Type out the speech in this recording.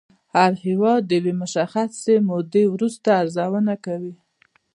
هر هېواد د یوې مشخصې مودې وروسته ارزونه کوي